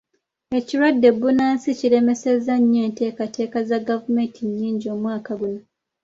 Ekirwadde bbunansi kiremesezza nnyo enteekateeka za gavumenti nnyingi omwaka guno.